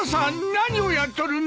何をやっとるんだ！？